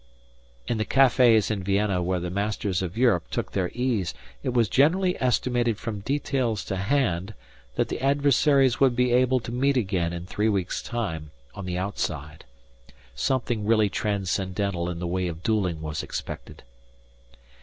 In the cafés in Vienna where the masters of Europe took their ease it was generally estimated from details to hand that the adversaries would be able to meet again in three weeks' time, on the outside. Something really transcendental in the way of duelling was expected.